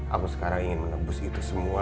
aku sekarang ingin menebus itu semua